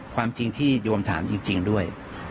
ความจริงที่โยมถามจริงด้วย